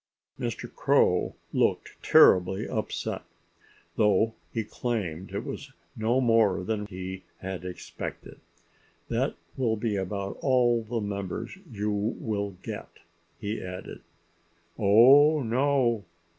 Mr. Crow looked terribly upset, though he claimed it was no more than he had expected. "That will be about all the members you will get," he added. "Oh, no!"